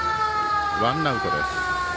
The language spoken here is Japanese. ワンアウトです。